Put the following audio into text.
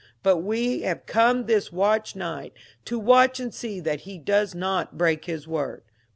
But we have come this Watch Night to watch and see that he does not break his word.